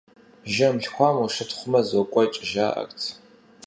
Жэм лъхуам ущытхъумэ, зокӀуэкӀ, жаӀэрт.